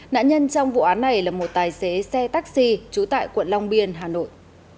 nạn nhân trong vụ án này là một tài xế xe taxi trú tại quận long biên hà nội